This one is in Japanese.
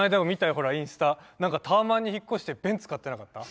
ほらインスタなんかタワマンに引っ越してベンツ買ってなかった？